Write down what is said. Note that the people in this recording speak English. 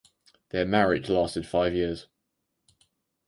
Their marriage lasted five years.